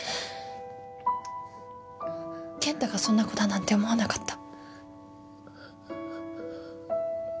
健太がそんな子だなんて思わなかった。